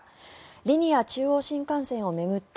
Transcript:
リニア中央新幹線を巡って